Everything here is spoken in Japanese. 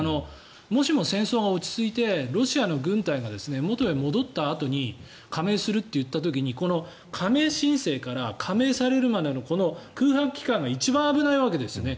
もしも戦争が落ち着いてロシアの軍隊が元へ戻ったあとに加盟するといった時に加盟申請から加盟されるまでの空白期間が一番危ないわけですよね。